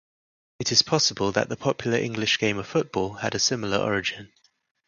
It is possible that the popular English game of football had a similar origin.